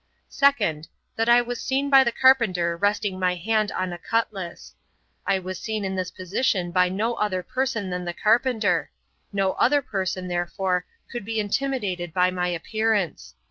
'Second. That I was seen by the carpenter resting my hand on a cutlass. I was seen in this position by no other person than the carpenter no other person therefore could be intimidated by my appearance.